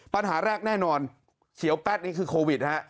ปัญหาแรกแน่นอนเฉียวแป๊ดนี่คือโควิดฮะ